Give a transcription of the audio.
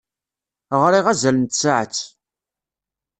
Ɣriɣ azal n tsaɛet.